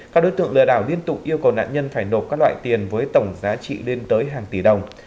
các đối tượng lừa đảo liên tục yêu cầu nạn nhân phải nộp các loại tiền với tổng giá trị lên tới hàng tỷ đồng